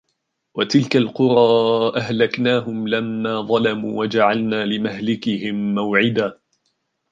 وَتِلْكَ الْقُرَى أَهْلَكْنَاهُمْ لَمَّا ظَلَمُوا وَجَعَلْنَا لِمَهْلِكِهِمْ مَوْعِدًا